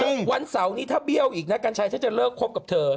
สัปดาห์วันเสาร์นี้ถ้าเบี้ยวอีกน่ากันชายจะเลิกคบกับเธอ